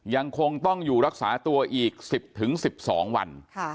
ยังคงต้องอยู่รักษาตัวอีก๑๐๑๒วัน